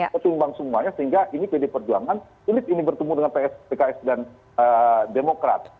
kesumbang semuanya sehingga ini pd perjuangan sulit ini bertemu dengan pks dan demokrat